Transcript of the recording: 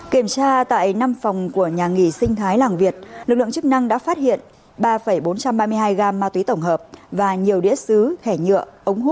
kiểm tra tại năm phòng của nhà nghỉ sinh thái làng việt lực lượng chức năng đã phát hiện ba bốn trăm ba mươi hai gam ma túy tổng hợp và nhiều đĩa xứ hẻ nhựa ống hút